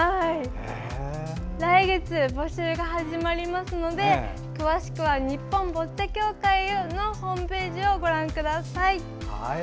来月、募集が始まりますので詳しくは日本ボッチャ協会のホームページをご覧ください。